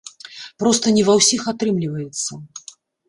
Проста не ва ўсіх атрымліваецца.